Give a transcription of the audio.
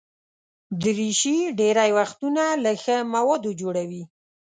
دریشي ډېری وختونه له ښه موادو جوړه وي.